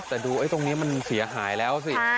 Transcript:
แต่ดูตรงนี้มันเสียหายแล้วสิ